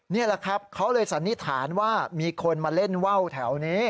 นี่แหละครับเขาเลยสันนิษฐานว่ามีคนมาเล่นว่าวแถวนี้